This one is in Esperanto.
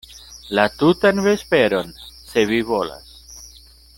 La tutan vesperon, se vi volas.